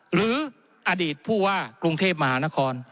หรืออดีตผู้ว่ากรุงเทพมหานคร